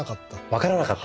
分からなかった？